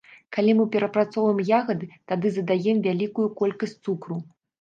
Калі мы перапрацоўваем ягады, тады задаем вялікую колькасць цукру.